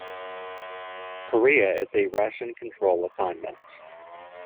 Korea is a ration control assignment.